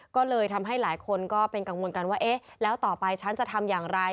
ก็เลยทำให้หลายคนก็เป็นกังวลกันว่าเอ๊ะแล้วต่อไปฉันจะทำอย่างไร